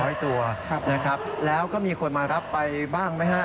โอ้โฮ๖๐๐ตัวนะครับแล้วก็มีคนมารับไปบ้างไหมฮะ